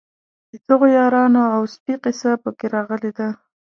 د دغو یارانو او سپي قصه په کې راغلې ده.